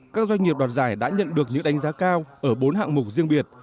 các doanh nghiệp đoạt giải đã nhận được những đánh giá cao ở bốn hạng mục riêng biệt